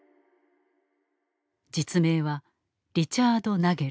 実名はリチャード・ナゲル。